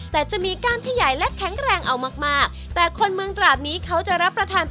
แต่จะมีก้านที่ใหญ่และแข็งแรงเอามากมากแต่คนเมืองตราดนี้เขาจะรับประทาน